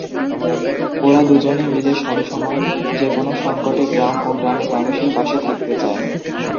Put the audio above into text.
ওরা দুজনে মিলে সবসময় যে কোন সংকটে গ্রাম ও গ্রামের মানুষের পাশে থাকতে চায়।